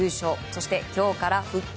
そして、今日から復帰